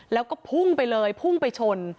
แล้วก็พุ่งไปเลยพุ่งไปชน